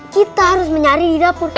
kita harus menyari di dapur